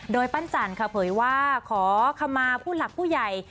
โดยปั้นจันทร์ค่ะเผยว่าขอขมาผู้หลักผู้ใหญ่